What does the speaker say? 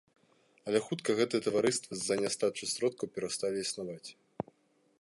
Але хутка гэтыя таварыствы з-за нястачы сродкаў перасталі існаваць.